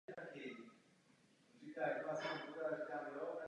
Úpravy parku lze rozdělit do tří období.